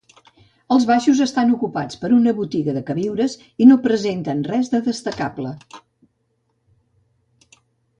Els baixos estan ocupats per una botiga de queviures i no presenten res de destacable.